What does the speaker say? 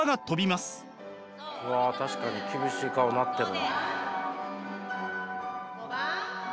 わあ確かに厳しい顔になってる。